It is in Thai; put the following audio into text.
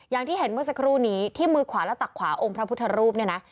อย่างที่เห็นเมื่อสักครู่นี้ที่มือขวาและตักขวาองค์พระพุทธรูปเนี่ยนะ